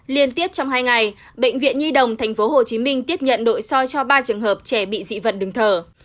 liên tiếp trong hai ngày bệnh viện nhi đồng tp hcm tiếp nhận nội soi cho ba trường hợp trẻ bị dị vận đường thở